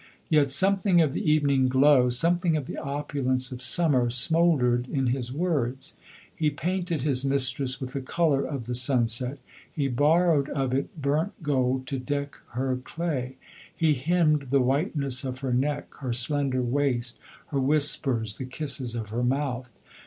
Yet something of the evening glow, something of the opulence of summer smouldered in his words. He painted his mistress with the colour of the sunset, he borrowed of it burnt gold to deck her clay. He hymned the whiteness of her neck, her slender waist, her whispers, the kisses of her mouth.